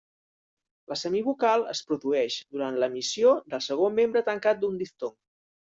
La semivocal es produeix durant l'emissió del segon membre tancat d'un diftong.